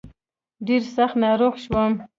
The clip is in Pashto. ډېر سخت ناروغ شوم.